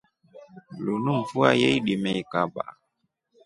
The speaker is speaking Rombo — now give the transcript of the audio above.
Lunu mfua yeidimekaba.